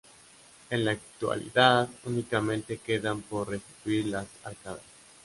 En la actualidad, únicamente quedan por restituir las arcadas.